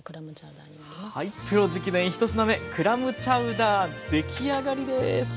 プロ直伝１品目クラムチャウダー出来上がりです。